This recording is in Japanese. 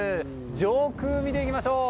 上空、見ていきましょう！